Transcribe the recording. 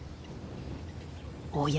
おや？